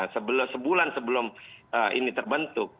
sebelum sebulan sebelum ini terbentuk